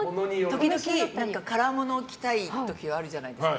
時々カラーものを着たい時があるじゃないですか。